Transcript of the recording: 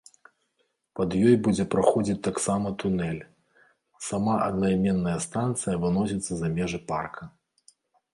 Пад ёй будзе праходзіць толькі тунэль, сама аднайменная станцыя выносіцца за межы парка.